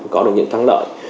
có được những thắng lợi